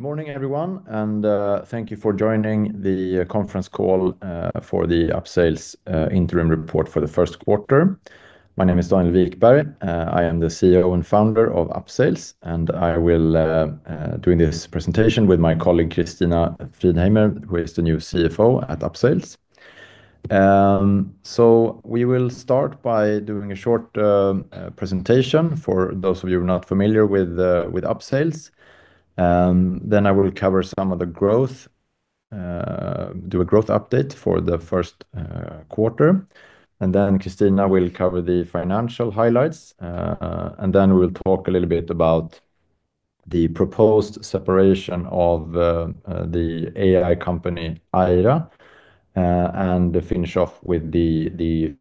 Good morning, everyone, and thank you for joining the conference call for the Upsales interim report for the first quarter. My name is Daniel Wikberg. I am the CEO and Founder of Upsales, and I will be doing this presentation with my colleague, Kristina Fridheimer, who is the new CFO at Upsales. We will start by doing a short presentation for those of you who are not familiar with Upsales. I will cover some of the growth, do a growth update for the first quarter, and then Kristina will cover the financial highlights. We'll talk a little bit about the proposed separation of the AI company, Aira, and finish off with the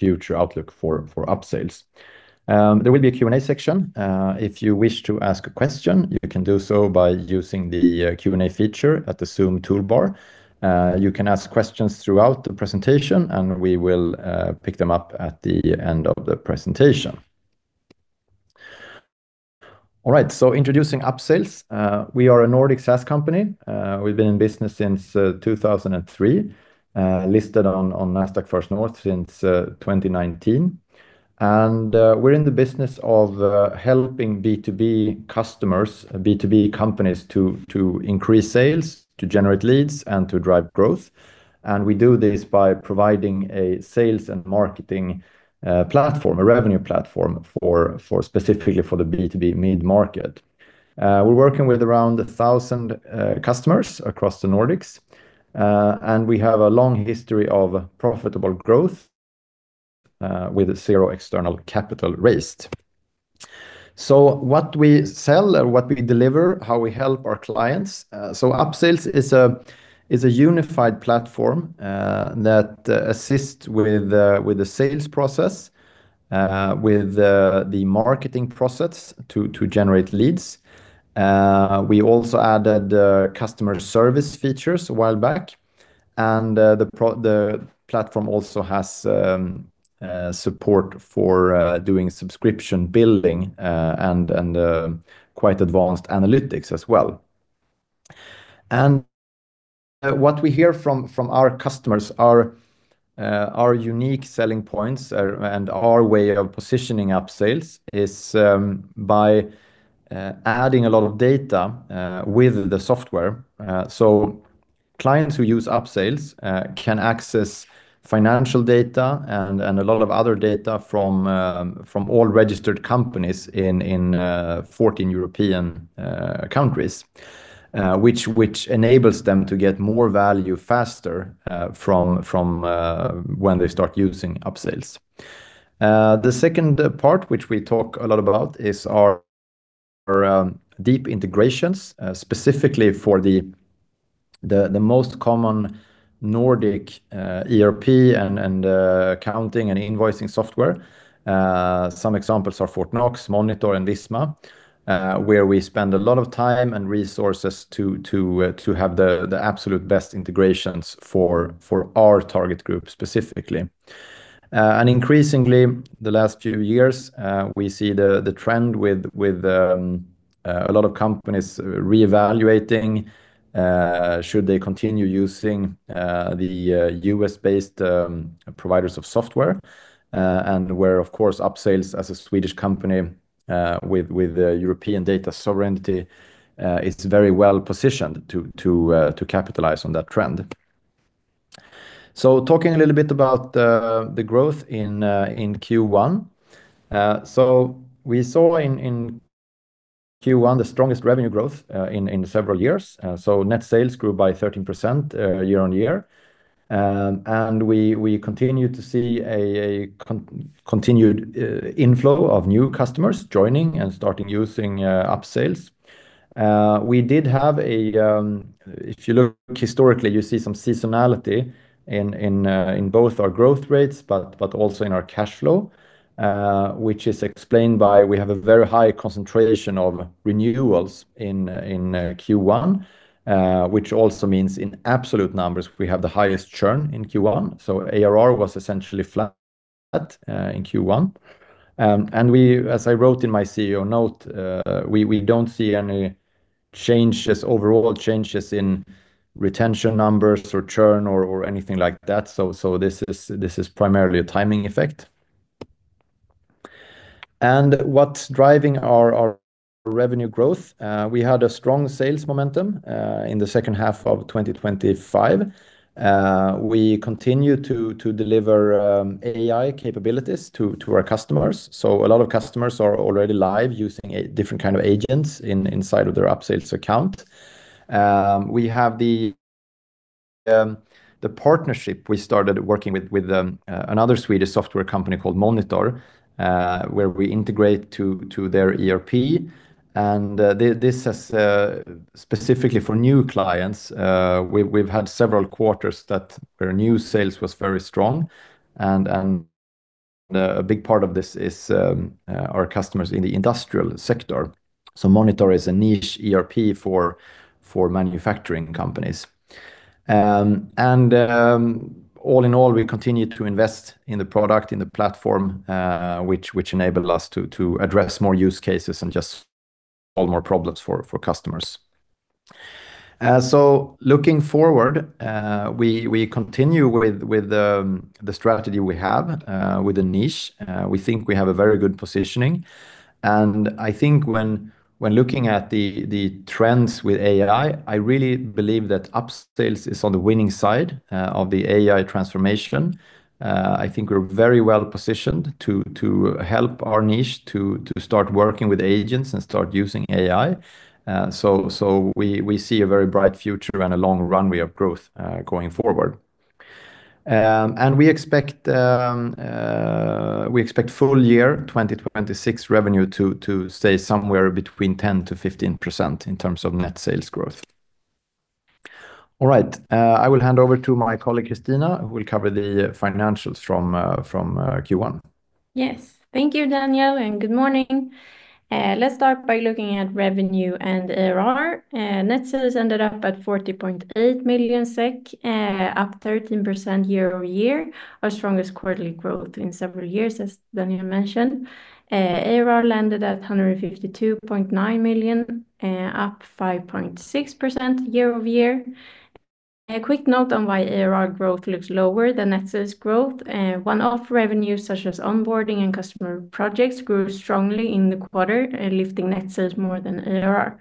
future outlook for Upsales. There will be a Q&A section. If you wish to ask a question, you can do so by using the Q&A feature at the Zoom toolbar. You can ask questions throughout the presentation, and we will pick them up at the end of the presentation. All right. Introducing Upsales. We are a Nordic SaaS company. We've been in business since 2003, listed on Nasdaq First North since 2019. We're in the business of helping B2B customers, B2B companies to increase sales, to generate leads, and to drive growth. We do this by providing a sales and marketing platform, a revenue platform specifically for the B2B mid-market. We're working with around 1,000 customers across the Nordics, and we have a long history of profitable growth with zero external capital raised. What we sell and what we deliver, how we help our clients. Upsales is a unified platform that assists with the sales process, with the marketing process to generate leads. We also added customer service features a while back, and the platform also has support for doing subscription billing and quite advanced analytics as well. What we hear from our customers, our unique selling points, and our way of positioning Upsales is by adding a lot of data with the software. Clients who use Upsales can access financial data and a lot of other data from all registered companies in 14 European countries, which enables them to get more value faster from when they start using Upsales. The second part, which we talk a lot about, is our deep integrations, specifically for the most common Nordic ERP and accounting and invoicing software. Some examples are Fortnox, Monitor, and Visma where we spend a lot of time and resources to have the absolute best integrations for our target group specifically. Increasingly, the last few years, we see the trend with a lot of companies reevaluating should they continue using the U.S.-based providers of software, and where, of course, Upsales as a Swedish company with European data sovereignty, is very well positioned to capitalize on that trend. Talking a little bit about the growth in Q1. We saw in Q1 the strongest revenue growth in several years. Net sales grew by 13% year-over-year. We continue to see a continued inflow of new customers joining and starting using Upsales. If you look historically, you see some seasonality in both our growth rates, but also in our cash flow, which is explained by we have a very high concentration of renewals in Q1, which also means in absolute numbers, we have the highest churn in Q1. ARR was essentially flat in Q1. As I wrote in my CEO note, we don't see any changes, overall changes in retention numbers or churn or anything like that. This is primarily a timing effect. What's driving our revenue growth, we had a strong sales momentum in the second half of 2025. We continue to deliver AI capabilities to our customers. A lot of customers are already live using different kind of agents inside of their Upsales account. We have the partnership we started working with another Swedish software company called Monitor, where we integrate to their ERP. This has specifically for new clients, we've had several quarters where new sales was very strong and a big part of this is our customers in the industrial sector. Monitor is a niche ERP for manufacturing companies. All in all, we continue to invest in the product, in the platform which enable us to address more use cases and just solve more problems for customers. Looking forward, we continue with the strategy we have with the niche. We think we have a very good positioning. I think when looking at the trends with AI, I really believe that Upsales is on the winning side of the AI transformation. I think we're very well positioned to help our niche to start working with agents and start using AI. We see a very bright future and a long runway of growth going forward. We expect full year 2026 revenue to stay somewhere between 10%-15% in terms of net sales growth. All right. I will hand over to my colleague, Kristina, who will cover the financials from Q1. Yes. Thank you, Daniel, and good morning. Let's start by looking at revenue and ARR. Net sales ended up at 40.8 million SEK, up 13% year-over-year, our strongest quarterly growth in several years, as Daniel mentioned. ARR landed at 152.9 million, up 5.6% year-over-year. A quick note on why ARR growth looks lower than net sales growth. One-off revenues such as onboarding and customer projects grew strongly in the quarter, lifting net sales more than ARR.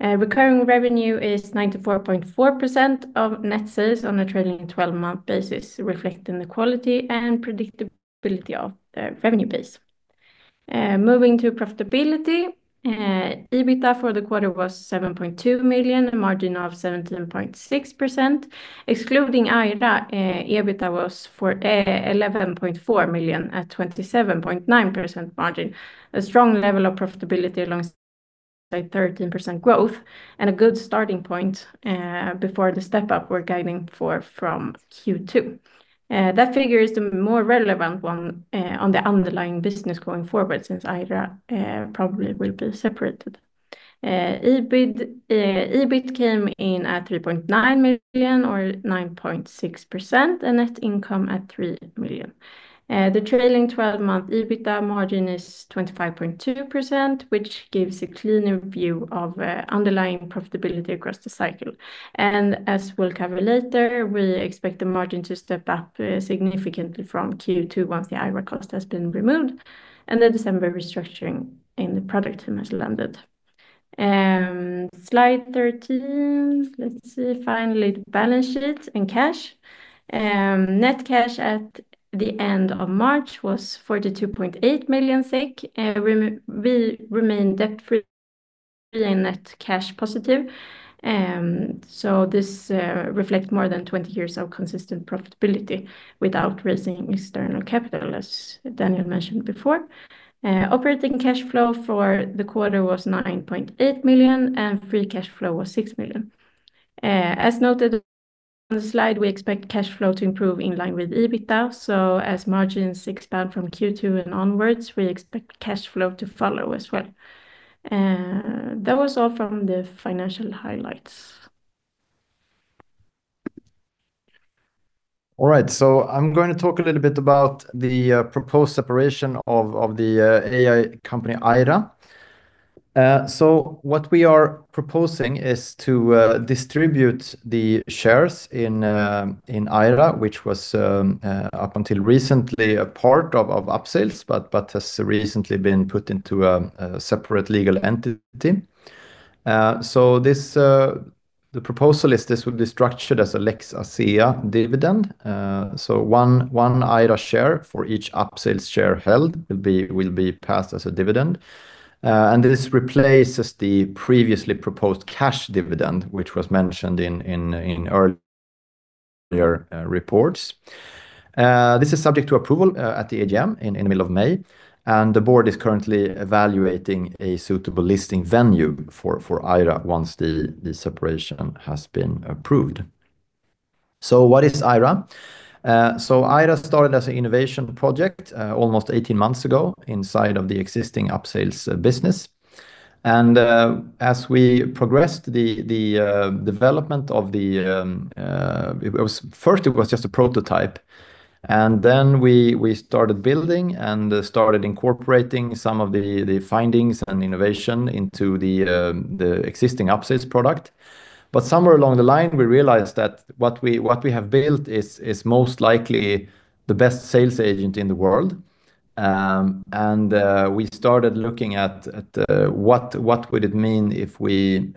Recurring revenue is 94.4% of net sales on a trailing 12-month basis, reflecting the quality and predictability of the revenue base. Moving to profitability. EBITDA for the quarter was 7.2 million, a margin of 17.6%. Excluding Aira, EBITDA was 11.4 million at 27.9% margin, a strong level of profitability alongside 13% growth and a good starting point before the step-up we're guiding for from Q2. That figure is the more relevant one on the underlying business going forward, since Aira probably will be separated. EBIT came in at 3.9 million or 9.6%, and net income at 3 million. The trailing 12-month EBITDA margin is 25.2%, which gives a cleaner view of underlying profitability across the cycle. As we'll cover later, we expect the margin to step up significantly from Q2 once the Aira cost has been removed and the December restructuring in the product team has landed. Slide 13. Let's see. Finally, the balance sheet and cash. Net cash at the end of March was 42.8 million. We remain debt-free and net cash positive. This reflects more than 20 years of consistent profitability without raising external capital, as Daniel mentioned before. Operating cash flow for the quarter was 9.8 million, and free cash flow was 6 million. As noted on the slide, we expect cash flow to improve in line with EBITDA, so as margins expand from Q2 and onward, we expect cash flow to follow as well. That was all from the financial highlights. All right. I'm going to talk a little bit about the proposed separation of the AI company, Aira. What we are proposing is to distribute the shares in Aira, which was up until recently a part of Upsales, but has recently been put into a separate legal entity. The proposal is this will be structured as a Lex ASEA dividend. One Aira share for each Upsales share held will be passed as a dividend. This replaces the previously proposed cash dividend, which was mentioned in earlier reports. This is subject to approval at the AGM in the middle of May, and the board is currently evaluating a suitable listing venue for Aira once the separation has been approved. What is Aira? Aira started as an innovation project almost 18 months ago inside of the existing Upsales business. As we progressed the development, first it was just a prototype, and then we started building and started incorporating some of the findings and innovation into the existing Upsales product. Somewhere along the line, we realized that what we have built is most likely the best sales agent in the world. We started looking at what would it mean if we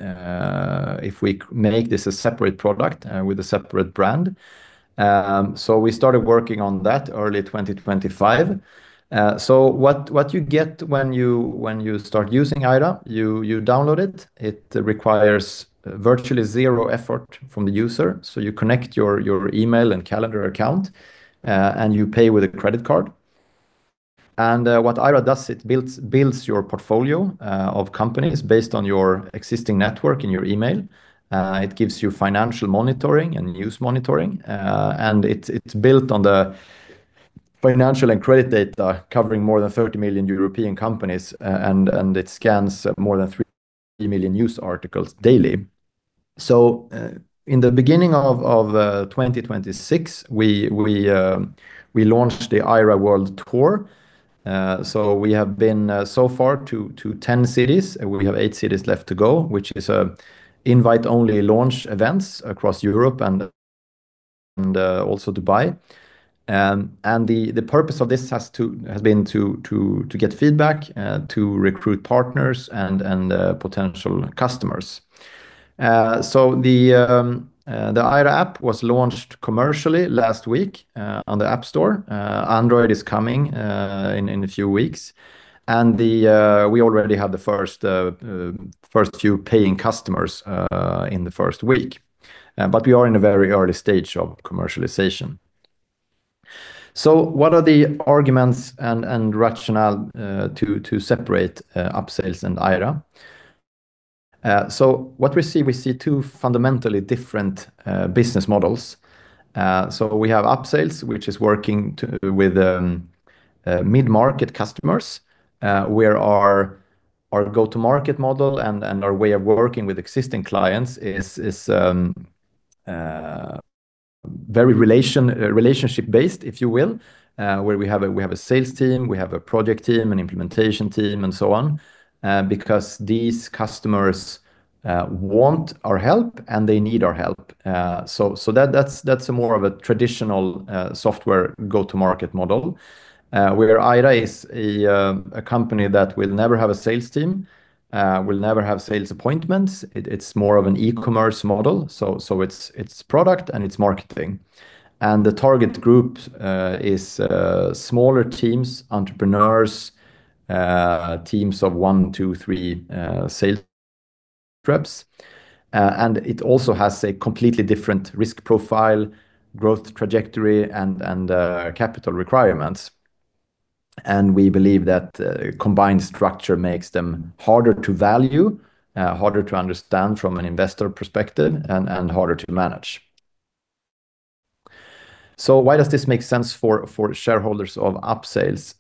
make this a separate product with a separate brand. We started working on that early 2025. What you get when you start using Aira, you download it. It requires virtually zero effort from the user. You connect your email and calendar account, and you pay with a credit card. What Aira does, it builds your portfolio of companies based on your existing network in your email. It gives you financial monitoring and news monitoring, and it's built on the financial and credit data covering more than 30 million European companies, and it scans more than 3 million news articles daily. In the beginning of 2026, we launched the Aira World Tour. We have been so far to 10 cities, and we have eight cities left to go, which is invite-only launch events across Europe and also Dubai. The purpose of this has been to get feedback, to recruit partners and potential customers. The Aira app was launched commercially last week on the App Store. Android is coming in a few weeks. We already have the first few paying customers in the first week. We are in a very early stage of commercialization. What are the arguments and rationale to separate Upsales and Aira? What we see two fundamentally different business models. We have Upsales, which is working with mid-market customers, where our go-to-market model and our way of working with existing clients is very relationship based, if you will, where we have a sales team, we have a project team, an implementation team, and so on, because these customers want our help, and they need our help. That's more of a traditional software go-to-market model, where Aira is a company that will never have a sales team, will never have sales appointments. It's more of an e-commerce model. It's product and it's marketing. The target group is smaller teams, entrepreneurs, teams of one, two, three sales reps. It also has a completely different risk profile, growth trajectory, and capital requirements. We believe that combined structure makes them harder to value, harder to understand from an investor perspective, and harder to manage. Why does this make sense for shareholders of Upsales?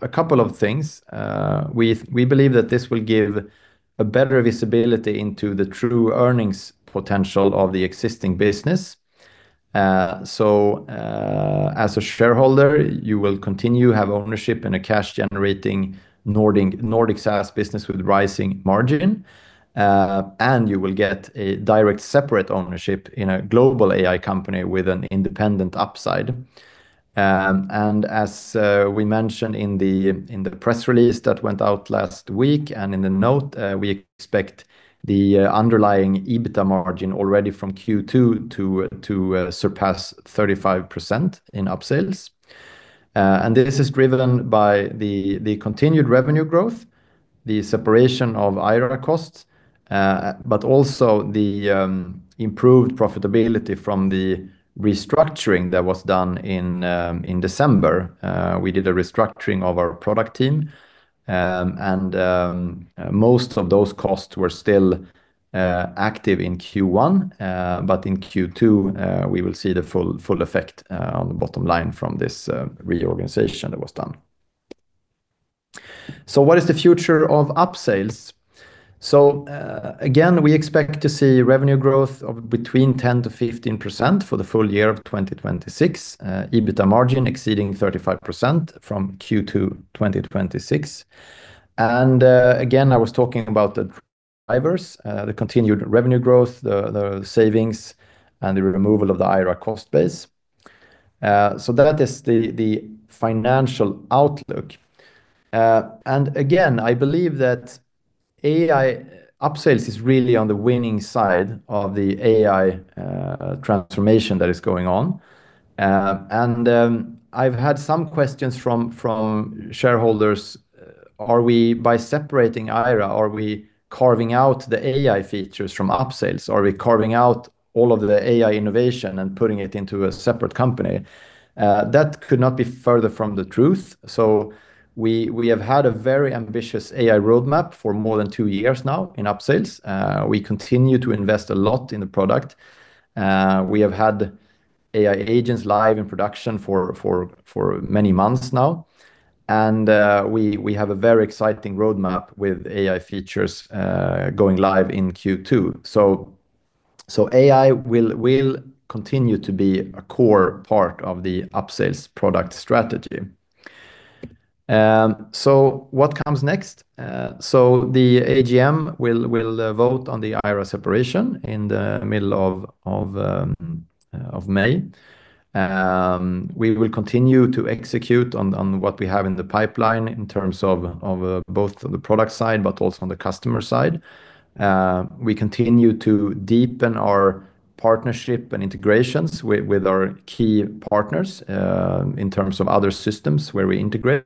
A couple of things. We believe that this will give a better visibility into the true earnings potential of the existing business. As a shareholder, you will continue to have ownership in a cash-generating Nordic SaaS business with rising margin, and you will get a direct separate ownership in a global AI company with an independent upside. As we mentioned in the press release that went out last week and in the note, we expect the underlying EBITDA margin already from Q2 to surpass 35% in Upsales. This is driven by the continued revenue growth, the separation of Aira costs, but also the improved profitability from the restructuring that was done in December. We did a restructuring of our product team, and most of those costs were still active in Q1. In Q2, we will see the full effect on the bottom line from this reorganization that was done. What is the future of Upsales? Again, we expect to see revenue growth of between 10%-15% for the full year of 2026. EBITDA margin exceeding 35% from Q2 2026. Again, I was talking about the drivers, the continued revenue growth, the savings, and the removal of the Aira cost base. That is the financial outlook. Again, I believe that Upsales is really on the winning side of the AI transformation that is going on. I've had some questions from shareholders, by separating Aira, are we carving out the AI features from Upsales? Are we carving out all of the AI innovation and putting it into a separate company? That could not be further from the truth. We have had a very ambitious AI roadmap for more than two years now in Upsales. We continue to invest a lot in the product. We have had AI agents live in production for many months now. We have a very exciting roadmap with AI features going live in Q2. AI will continue to be a core part of the Upsales product strategy. What comes next? The AGM will vote on the Aira separation in the middle of May. We will continue to execute on what we have in the pipeline in terms of both the product side, but also on the customer side. We continue to deepen our partnership and integrations with our key partners in terms of other systems where we integrate.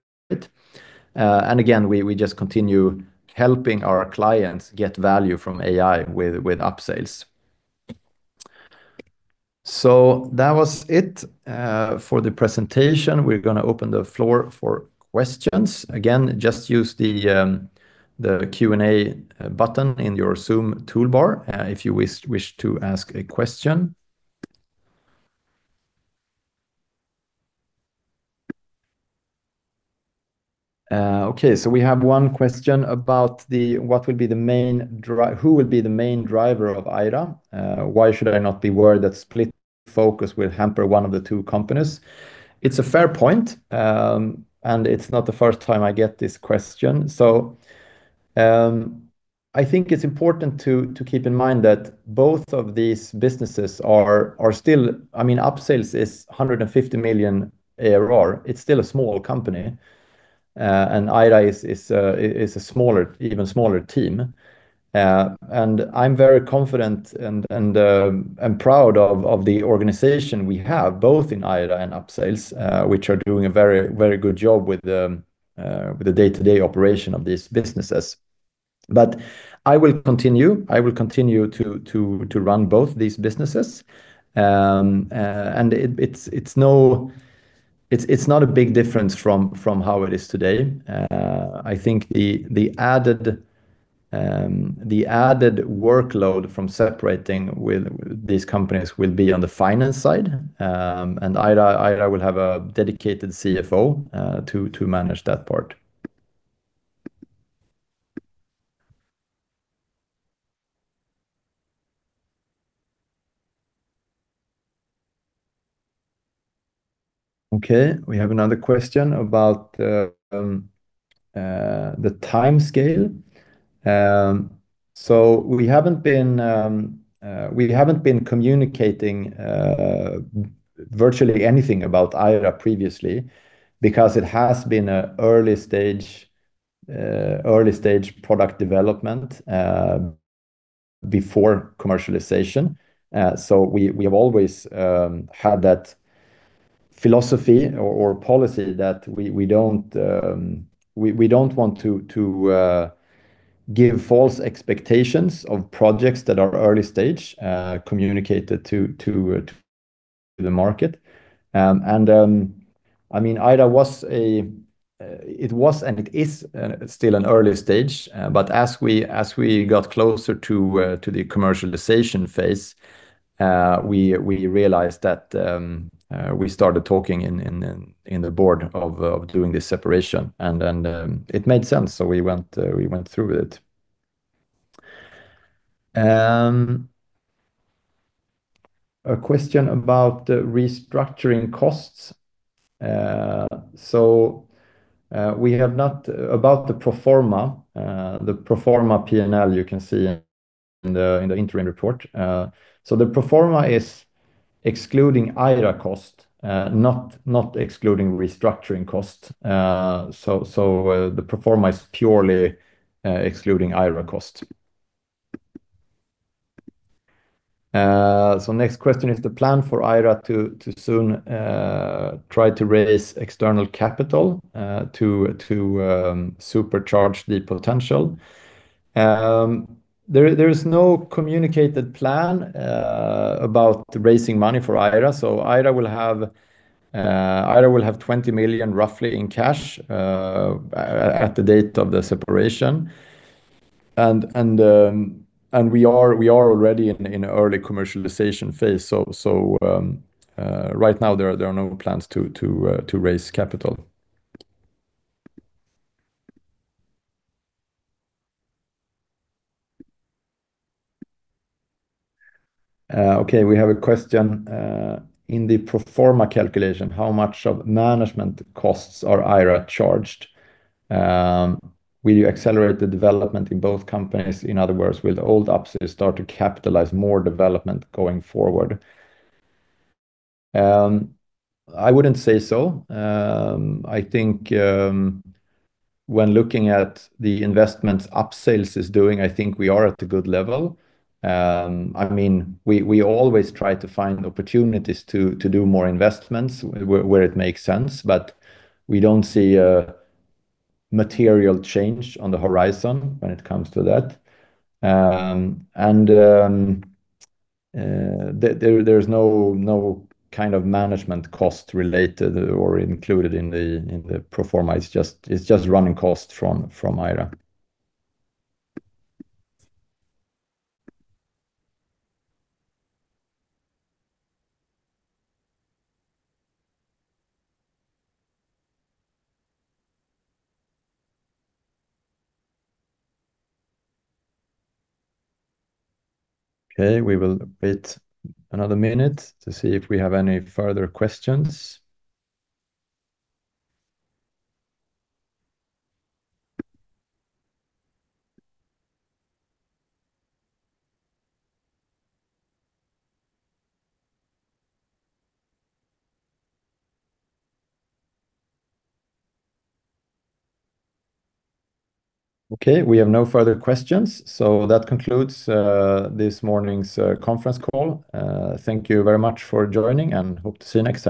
Again, we just continue helping our clients get value from AI with Upsales. That was it for the presentation. We're going to open the floor for questions. Again, just use the Q&A button in your Zoom toolbar if you wish to ask a question. Okay, we have one question about who will be the main driver of Aira. Why should I not be worried that split focus will hamper one of the two companies? It's a fair point, and it's not the first time I get this question. I think it's important to keep in mind that both of these businesses are still. Upsales is 150 million ARR. It's still a small company. Aira is an even smaller team. I'm very confident and proud of the organization we have, both in Aira and Upsales, which are doing a very good job with the day-to-day operation of these businesses. I will continue to run both these businesses. It's not a big difference from how it is today. I think the added workload from separating these companies will be on the finance side, and Aira will have a dedicated CFO to manage that part. Okay, we have another question about the timescale. We haven't been communicating virtually anything about Aira previously because it has been early-stage product development before commercialization. We have always had that philosophy or policy that we don't want to give false expectations of projects that are early-stage, communicate it to the market. Aira, it was and it is still an early stage. As we got closer to the commercialization phase, we realized that we started talking in the board of doing this separation, and it made sense, so we went through with it. A question about the restructuring costs. About the pro forma P&L, you can see in the interim report. The pro forma is excluding Aira cost, not excluding restructuring cost. The pro forma is purely excluding Aira cost. Next question. Is the plan for Aira to soon try to raise external capital to supercharge the potential? There is no communicated plan about raising money for Aira. Aira will have 20 million, roughly, in cash at the date of the separation. We are already in early commercialization phase. Right now, there are no plans to raise capital. Okay, we have a question. In the pro forma calculation, how much of management costs are Aira charged? Will you accelerate the development in both companies? In other words, will the old Upsales start to capitalize more development going forward? I wouldn't say so. I think when looking at the investments Upsales is doing, I think we are at a good level. We always try to find opportunities to do more investments where it makes sense, but we don't see a material change on the horizon when it comes to that. There's no kind of management cost related or included in the pro forma. It's just running costs from Aira. Okay, we will wait another minute to see if we have any further questions. Okay, we have no further questions, so that concludes this morning's conference call. Thank you very much for joining, and we hope to see you next time.